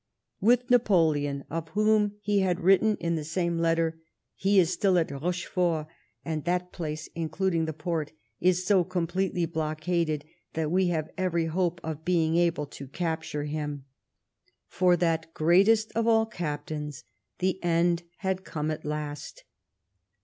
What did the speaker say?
— with Napoleon, of whom he had written in the same letter :" he is still at Rochefort, and that place, including the port, is so completely blockaded that we have every hope of being able to capture him." For that " greatest of all captains," the end had come at last.